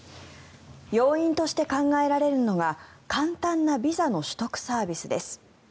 要因として考えられるのが簡単なビザの取得サービスです。